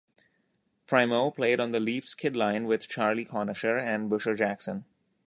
Primeau played on the Leafs' Kid Line with Charlie Conacher and Busher Jackson.